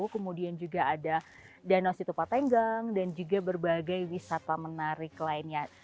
kemudian juga ada danau situpa tenggang dan juga berbagai wisata menarik lainnya